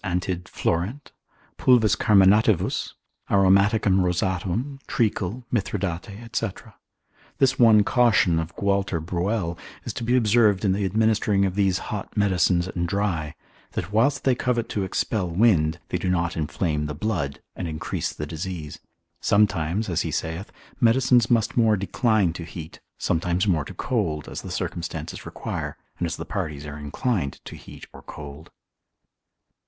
antid. florent. pulvis carminativus, aromaticum rosatum, treacle, mithridate &c. This one caution of Gualter Bruell is to be observed in the administering of these hot medicines and dry, that whilst they covet to expel wind, they do not inflame the blood, and increase the disease; sometimes (as he saith) medicines must more decline to heat, sometimes more to cold, as the circumstances require, and as the parties are inclined to heat or cold.